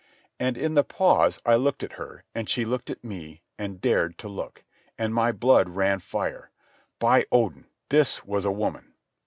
And in the pause I looked at her, and she looked at me, and dared to look. And my blood ran fire. By Odin, this was a woman!